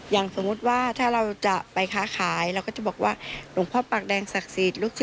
อย่างสมมุติว่าถ้าเราจะไปค้าขายเราก็จะบอกว่าหลวงพ่อปากแดงศักดิ์สิทธิ์